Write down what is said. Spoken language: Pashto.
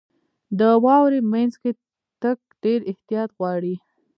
• د واورې مینځ کې تګ ډېر احتیاط غواړي.